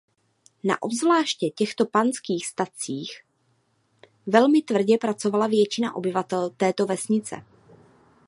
Na obzvláště těchto panských statcích velmi tvrdě pracovala většina obyvatel této vesnice.